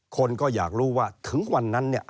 คนก็อยากรู้ว่าถึงวันนั้นเนี่ย